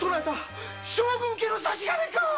将軍家の差し金か！？